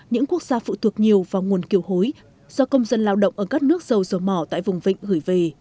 những quốc gia phụ thuộc nhiều vào nguồn kiều hối do công dân lao động ở các nước dầu dầu mỏ tại vùng vịnh gửi về